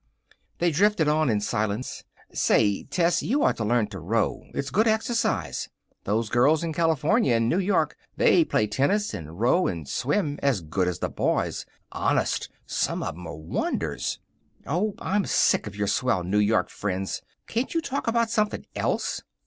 They drifted on in silence. "Say, Tess, you ought to learn to row. It's good exercise. Those girls in California and New York, they play tennis and row and swim as good as the boys. Honest, some of 'em are wonders!" "Oh, I'm sick of your swell New York friends! Can't you talk about something else?"